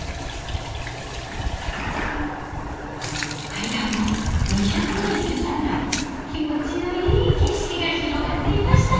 階段を２２３段気持ちのいい景色が広がっていました。